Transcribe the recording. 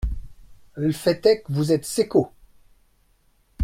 L’ fait est que vous êtes seccot…